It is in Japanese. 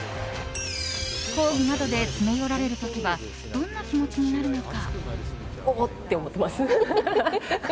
抗議などで詰め寄られる時はどんな気持ちになるのか。